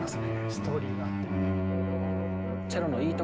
ストーリーがあって。